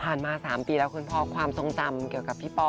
มา๓ปีแล้วคุณพ่อความทรงจำเกี่ยวกับพี่ปอ